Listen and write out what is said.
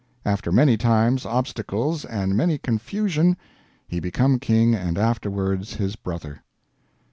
After many times obstacles and many confusion he become King and afterwards his brother."